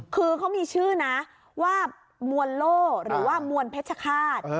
คือเขามีชื่อนะว่ามวลโล่หรือว่ามวลเพชรฆาต